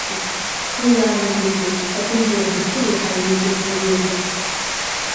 Уи иаанагоузеи, атәымџьара дыԥсыр еиҳа еиӷьуп ҳәа иуҳәаз?